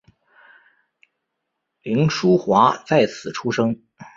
凌叔华在此出生。